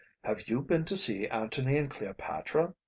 "Have you been to see Antony and Cleopatra?"